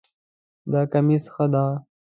دا کمیس ښه ده